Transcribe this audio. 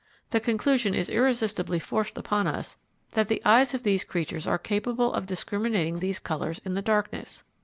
The conclusion is irresistibly forced upon us that the eyes of these creatures are capable of discriminating these colours in the darkness.